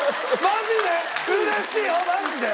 マジで！？